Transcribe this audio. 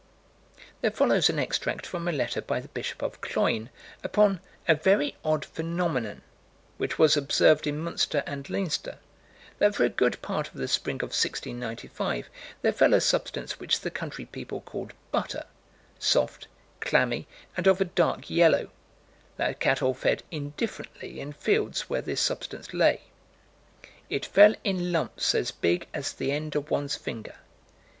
There follows an extract from a letter by the Bishop of Cloyne, upon "a very odd phenomenon," which was observed in Munster and Leinster: that for a good part of the spring of 1695 there fell a substance which the country people called "butter" "soft, clammy, and of a dark yellow" that cattle fed "indifferently" in fields where this substance lay. "It fell in lumps as big as the end of one's finger."